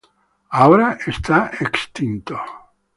Ahora está extinto.